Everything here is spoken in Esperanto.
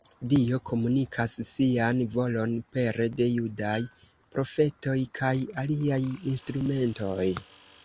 Dio komunikas sian volon pere de judaj profetoj kaj aliaj instrumentoj.